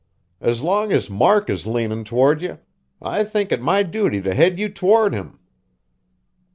As long as Mark is leanin' toward you, I think it my duty to head you toward him."